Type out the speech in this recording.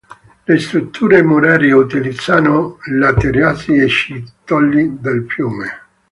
Le strutture murarie utilizzano laterizi e ciottoli del fiume.